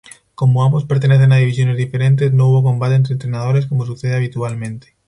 Como ambos pertenecen a divisiones diferentes, no hubo combate entre entrenadores como sucede habitualmente.